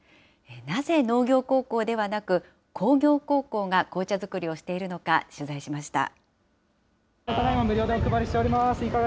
なぜ農業高校ではなく、工業高校が紅茶作りをしているのか取材しました。